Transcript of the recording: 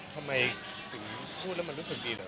ทำไมถึงพูดแล้วมันรู้สึกดีแบบ